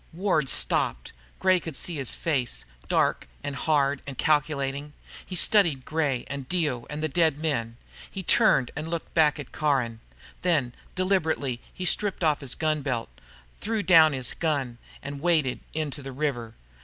Ward stopped. Gray could see his face, dark and hard and calculating. He studied Gray and Dio, and the dead men. He turned and looked back at Caron. Then, deliberately, he stripped off his gun belt, threw down his gun, and waded into the river.